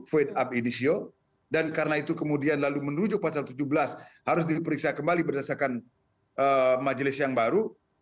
faith up initio dan karena itu kemudian lalu menuju pasal tujuh belas harus diperiksa kembali berdasarkan majelis yang baru